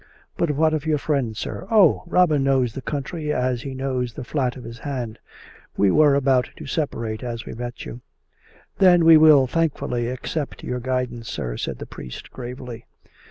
" But what of your friend, sir ?"" Oh ! Robin knows the country as he knows the flat of bis hand. We were about to separate as we met you." " Then we will thankfully accept your guidance, sir," said the priest gravely.